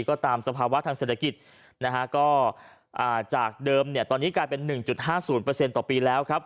ก็ตามสภาวะทางเศรษฐกิจจากเดิมตอนนี้กลายเป็น๑๕๐ต่อปีแล้ว